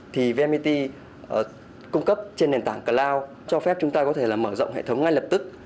thì vnpt cung cấp trên nền tảng cloud cho phép chúng ta có thể mở rộng hệ thống ngay lập tức